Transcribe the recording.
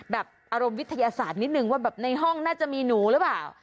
แบบอารมณ์วิทยาศาสตร์นิดนึงว่าแบบในห้องน่าจะมีหนูหรือเปล่า